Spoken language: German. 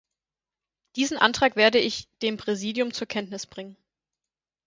Diesen Antrag werde ich dem Präsidium zur Kenntnis bringen.